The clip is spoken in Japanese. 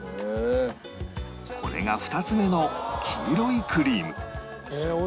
これが２つ目の黄色いクリーム